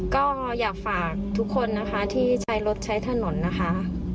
ก็อยากฝากทุกคนนะคะที่ใช้รถใช้ถนนนะคะ